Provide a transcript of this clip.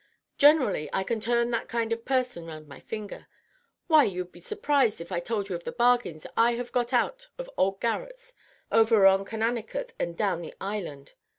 Generally I can turn that kind of person round my finger. Why, you'd be surprised if I told you of the bargains I have got out of old garrets over on Conanicut and down the Island.